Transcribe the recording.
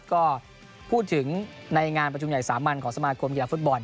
ก็พูดถึงในงานประชุมใหญ่สามัญของสมาคมกีฬาฟุตบอล